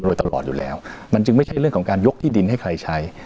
โดยตลอดอยู่แล้วมันจึงไม่ใช่เรื่องของการยกที่ดินให้ใครใช้